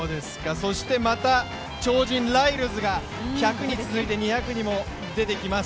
そしてまた超人ライルズが１００に続いて、２００にも出てきます。